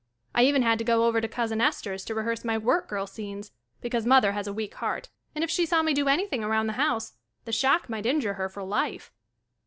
I even had to go over to Cousin Esther's to rehearse my work girl scenes hecause Mother has a weak heart and if she saw me do anything around the house, the shock might injure her for life.